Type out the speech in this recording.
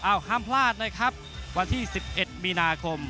ห้ามพลาดนะครับวันที่๑๑มีนาคม